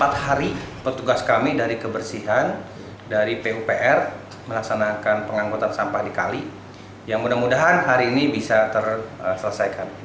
empat hari petugas kami dari kebersihan dari pupr melaksanakan pengangkutan sampah di kali yang mudah mudahan hari ini bisa terselesaikan